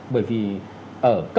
bởi vì ở